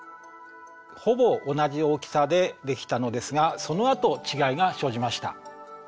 ほぼ同じ大きさでできたのですがそのあと違いが生じました。